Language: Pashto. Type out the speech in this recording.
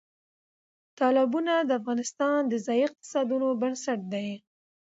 تالابونه د افغانستان د ځایي اقتصادونو بنسټ دی.